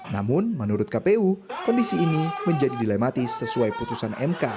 namun menurut kpu kondisi ini menjadi dilematis sesuai putusan mk